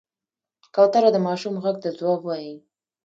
کوتره د ماشوم غږ ته ځواب وايي.